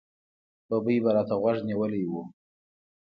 ببۍ به را ته غوږ نیولی و.